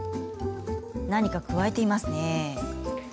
何かくわえていますね。